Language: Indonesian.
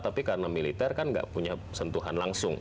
tapi karena militer kan nggak punya sentuhan langsung